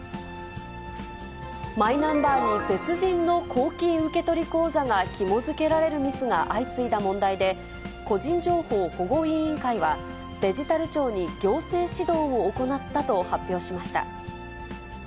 マイナンバーに別人の公金受取口座がひも付けられるミスが相次いだ問題で、個人情報保護委員会は、デジタル庁に行政指導を行ったと発表しました。